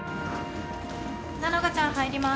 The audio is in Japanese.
ナノカちゃん入ります。